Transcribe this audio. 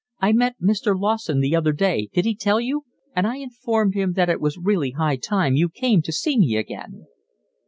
"I met Mr. Lawson the other day—did he tell you?—and I informed him that it was really high time you came to see me again."